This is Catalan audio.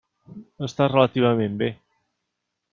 Està relativament bé.